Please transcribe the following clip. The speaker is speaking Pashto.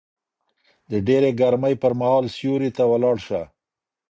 د ډېرې ګرمۍ پر مهال سيوري ته ولاړ شه